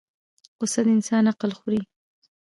غصه د انسان عقل خوري